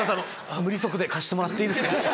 無利息で貸してもらっていいですか。